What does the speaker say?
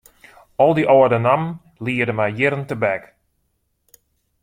Al dy âlde nammen liede my jierren tebek.